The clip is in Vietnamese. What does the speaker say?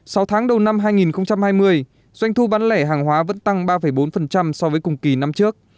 sau tháng đầu năm hai nghìn hai mươi doanh thu bán lẻ hàng hóa vẫn tăng ba bốn so với cùng kỳ năm trước